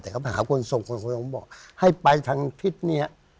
แต่เขาไปหาคนส่งเขาบอกให้ไปทางทิศเนี่ย